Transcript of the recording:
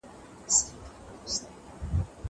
زه بايد درسونه لوستل کړم.